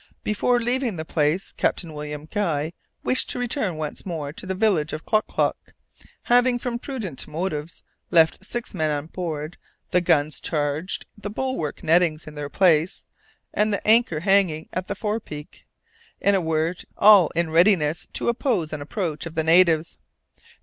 Before leaving the place, Captain William Guy wished to return once more to the village of Klock Klock, having, from prudent motives, left six men on board, the guns charged, the bulwark nettings in their place, the anchor hanging at the forepeak in a word, all in readiness to oppose an approach of the natives.